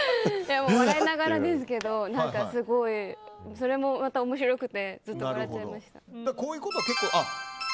笑いながらですけどそれもまた面白くてずっと笑っちゃいました。